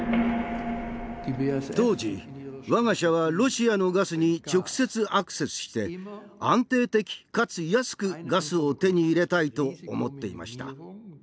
当時我が社はロシアのガスに直接アクセスして安定的かつ安くガスを手に入れたいと思っていました。